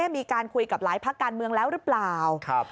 มีการคุยกับหลายพักการเมืองแล้วหรือเปล่า